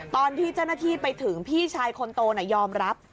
ตอนที่เจ้าหน้าที่ไปถึงพี่ชายคนโตยอมรับ